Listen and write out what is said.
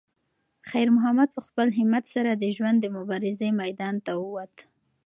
خیر محمد په خپل همت سره د ژوند د مبارزې میدان ته وووت.